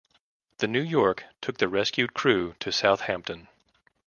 The "New York" took the rescued crew to Southampton.